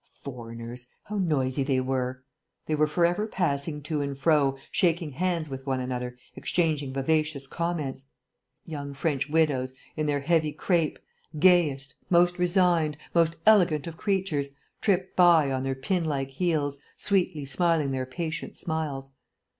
Foreigners how noisy they were! They were for ever passing to and fro, shaking hands with one another, exchanging vivacious comments. Young French widows, in their heavy crape, gayest, most resigned, most elegant of creatures, tripped by on their pin like heels, sweetly smiling their patient smiles.